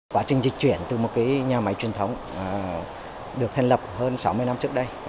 quá trình dịch chuyển từ một nhà máy truyền thống được thành lập hơn sáu mươi năm trước đây